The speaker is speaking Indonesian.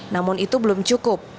namun itu belum cukup